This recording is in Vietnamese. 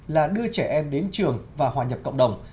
là đưa trẻ em đến trường và hòa nhập cộng đồng